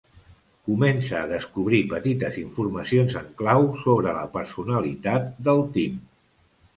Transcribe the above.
Comença a descobrir petites informacions en clau sobre la personalitat del Tim.